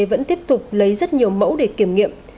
vẫn tiếp tục lấy rất nhiều mẫu để kiểm nghiệm